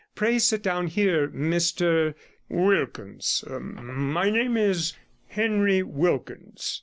'Pray sit down here, Mr ?' 'Wilkins. My name is Henry Wilkins.'